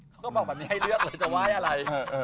แล้วก็ใช้ได้ว่ายเลยจะว่ายอะไร